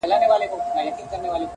یوه ورخ مي زړه په شکر ګویا نه سو-